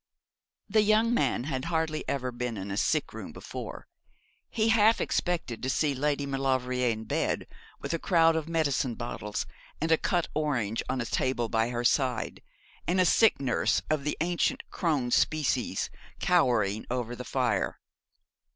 The young man had hardly ever been in a sick room before. He half expected to see Lady Maulevrier in bed, with a crowd of medicine bottles and a cut orange on a table by her side, and a sick nurse of the ancient crone species cowering over the fire.